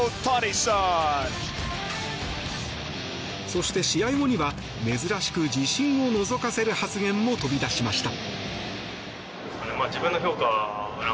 そして、試合後には珍しく自信をのぞかせる発言も飛び出しました。